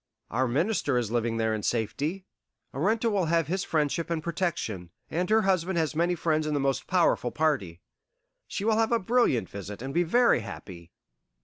Our Minister is living there in safety. Arenta will have his friendship and protection; and her husband has many friends in the most powerful party. She will have a brilliant visit and be very happy."